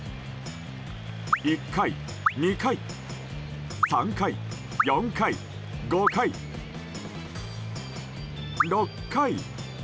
１回、２回、３回、４回、５回６回。